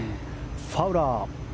ファウラー。